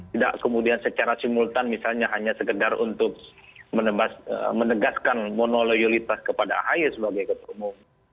tidak kemudian secara simultan misalnya hanya sekedar untuk menegaskan monoloyolitas kepada ahy sebagai ketua umum